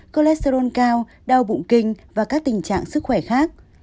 cholesterol cao đau bụng kinh và các tình trạng sức khỏe khác